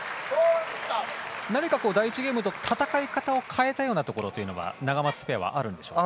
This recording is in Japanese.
何か第１ゲームと戦い方を変えたところはナガマツペアあるんでしょうか。